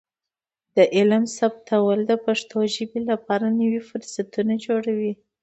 د غږ ثبتول د پښتو ژبې لپاره نوي فرصتونه جوړوي.